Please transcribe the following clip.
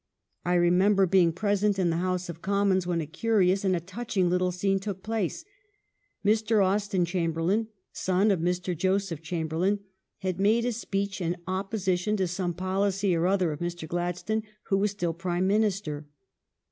I remember being present in the House of Commons when a curious and a touching little scene took place. Mr. Austin Chamberlain, son of Mr. Joseph Chamberlain, had made a speech in opposition to some policy or other of Mr. Gladstone, who was still Prime Minister.